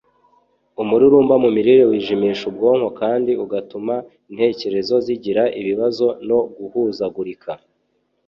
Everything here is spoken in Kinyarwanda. umururumba mu mirire wijimisha ubwonko, kandi ugatuma intekerezo zigira ibibazo no guhuzagurika